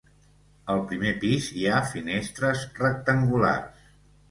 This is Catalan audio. Al primer pis hi ha finestres rectangulars.